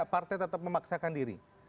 partai tetap memaksakan diri